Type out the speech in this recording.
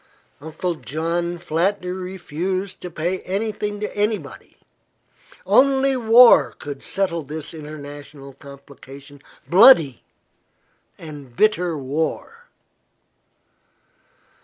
Uncle John flatly refused to pay anything to anybody. Only war could settle this international complication bloody and bitter war.